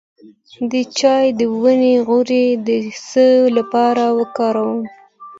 د چای د ونې غوړي د څه لپاره وکاروم؟